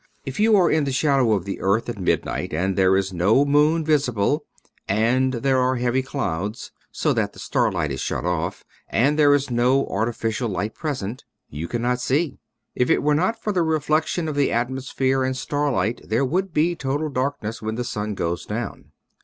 If you are in the shadow of the earth at midnight and there is no moon visible and there are heavy clouds, so that the starlight is shut off, and there is no artificial light present, you cannot see. If it were not for the reflection of the atmosphere and starlight there would be total darkness when the sun goes down.